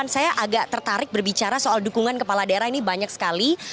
saya agak tertarik berbicara soal dukungan kepala daerah ini banyak sekali